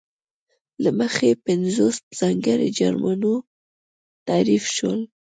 له مخې یې پینځوس ځانګړي جرمونه تعریف شول.